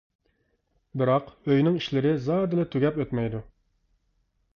بىراق، ئۆينىڭ ئىشلىرى زادىلا تۈگەپ ئۆتمەيدۇ.